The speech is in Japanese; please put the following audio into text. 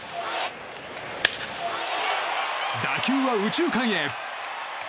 打球は右中間へ。